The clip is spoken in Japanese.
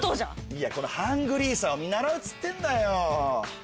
いやこのハングリーさを見習おうっつってんだよ。